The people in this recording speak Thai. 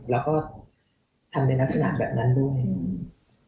เราก็ทำในลักษณะแบบนั้นด้วย